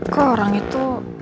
kok orang itu